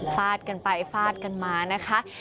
ฟาดกันไปฟาดกันมานะคะ